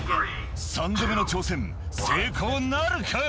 ３度目の挑戦、成功なるか？